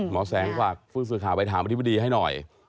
หมอแสงบอกภูมิศือขาไปถามอธิบดีให้หน่อย